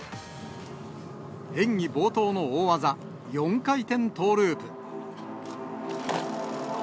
演技冒頭の大技、４回転トーループ。